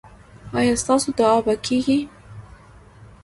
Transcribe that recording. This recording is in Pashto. ایا ستاسو دعا به کیږي؟